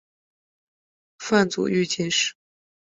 范祖禹进士。